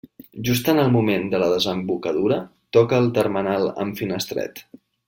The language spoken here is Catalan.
Just en el moment de la desembocadura toca el termenal amb Finestret.